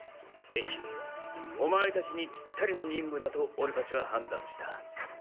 デンキお前たちにピッタリの任務だと俺たちは判断した。